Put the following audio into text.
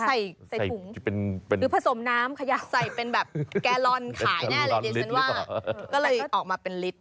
ใส่ถุงหรือผสมน้ำขยะใส่เป็นแบบแกลลอนขายแน่เลยดิฉันว่าก็เลยออกมาเป็นลิตร